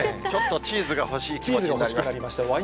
ちょっとチーズが欲しい気分になりました。